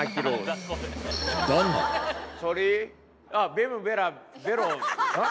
ベムベラベロん？